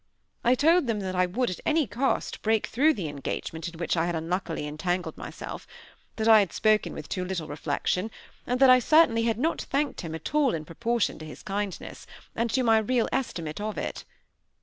I told him that I would, at any cost, break through the engagement in which I had unluckily entangled myself; that I had spoken with too little reflection, and that I certainly had not thanked him at all in proportion to his kindness, and to my real estimate of it.